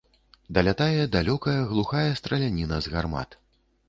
Далятае далёкая глухая страляніна з гармат.